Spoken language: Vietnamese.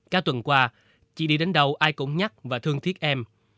cả tuần qua chị đi đến đâu ai cũng nhắc và thương thiết em